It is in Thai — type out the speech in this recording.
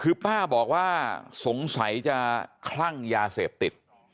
คือป้าบอกว่าสงสัยจะคลั่งยาเสพติด